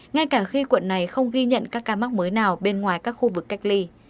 ngay cả khi quận này không ghi nhận các ca mắc mới nào bên ngoài các khu vực cách ly